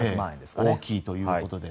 大きいということで。